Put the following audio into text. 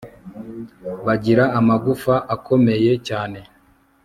bagira amagufa akomeye cyane